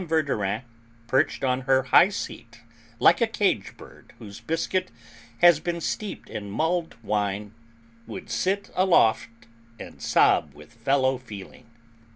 Verdurin, perched on her high seat like a cage bird whose biscuit has been steeped in mulled wine, would sit aloft and sob with fellow feeling.